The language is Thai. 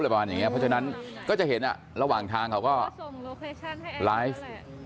เพราะฉะนั้นก็จะเห็นระหว่างทางเขาก็ส่งไลฟ์